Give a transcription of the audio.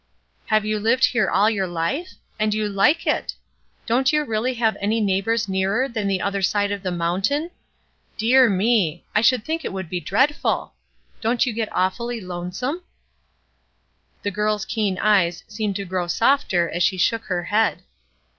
''Have you lived here all your Ufe? And you like it! Don't you really have any neighbors nearer than the other side of the mountain ? Dear me 1 I should think it would be dreadful. Don't you get awfully lonesome ?" The girl's keen eyes seemed to grow softer as she shook her head.